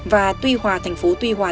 và tuy hòa thành phố tuy hòa